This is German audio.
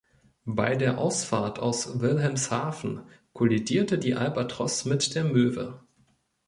Bei der Ausfahrt aus Wilhelmshaven kollidierte die "Albatros" mit der "Möwe".